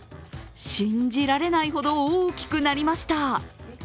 信じられないほど大きくなりました。